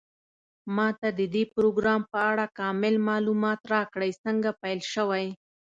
ما ته د دې پروګرام په اړه کامل معلومات راکړئ څنګه پیل شوی